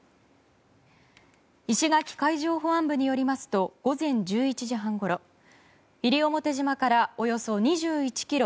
石垣海上保安部によりますと午前１１時半ごろ、西表島からおよそ２１ｋｍ